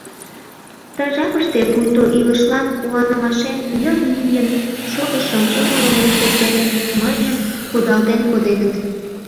Ты жапыште пуйто илышлан куанымашем, йыр лийын шогышым умылымо тептерем мыйым кудалтен коденыт.